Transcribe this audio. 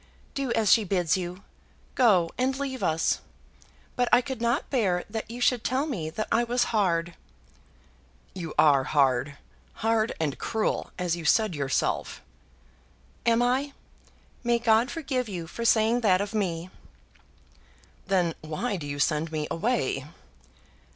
Do as she bids you. Go, and leave us; but I could not bear that you should tell me that I was hard." "You are hard; hard and cruel, as you said, yourself." "Am I? May God forgive you for saying that of me!" "Then why do you send me away?"